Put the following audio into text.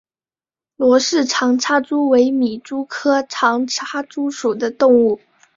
罗氏长插蛛为皿蛛科长插蛛属的动物。